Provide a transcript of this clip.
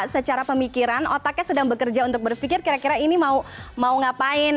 secara pemikiran otaknya sedang bekerja untuk berpikir kira kira ini mau ngapain